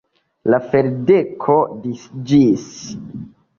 La ferdeko disiĝis.